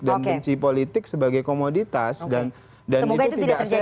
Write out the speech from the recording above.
dan benci politik sebagai komoditas dan itu tidak sehat